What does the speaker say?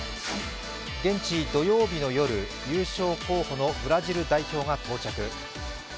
現地、土曜日の夜、優勝候補のブラジル代表が到着。